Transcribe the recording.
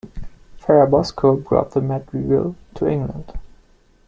Ferrabosco brought the madrigal to England.